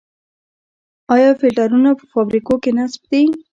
آیا فلټرونه په فابریکو کې نصب دي؟